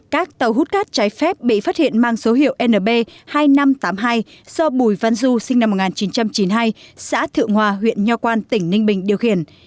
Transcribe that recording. các tàu hút cát trái phép bị phát hiện mang số hiệu nb hai nghìn năm trăm tám mươi hai do bùi văn du sinh năm một nghìn chín trăm chín mươi hai xã thượng hòa huyện nho quan tỉnh ninh bình điều khiển